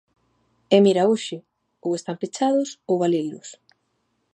E mira hoxe, ou están pechados ou baleiros.